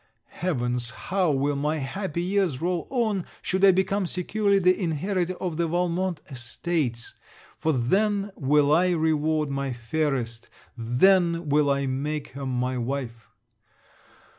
Heavens! how will my happy years roll on, should I become securely the inheritor of the Valmont estates, for then will I reward my fairest, then will I make her my wife!